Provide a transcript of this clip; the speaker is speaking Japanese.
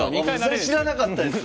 それ知らなかったです。